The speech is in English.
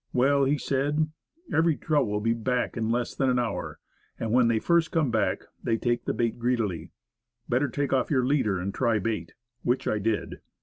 "Well," he said, "every trout will be back in less 56 Woodcraft. than an hour; and when they first come back, they take the bait greedily. Better take off your leader and try bait." Which I did.